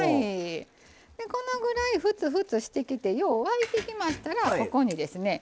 このぐらいフツフツしてきてよう沸いてきましたらここにですね